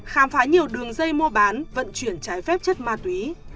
khám phá nhiều đường dây mua bán vận chuyển trái phép chất ma túy